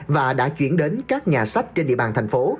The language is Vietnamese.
và đã chuyển đến các nhà sách trên địa bàn thành phố